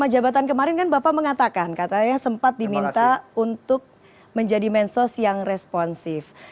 masa jabatan kemarin kan bapak mengatakan katanya sempat diminta untuk menjadi mensos yang responsif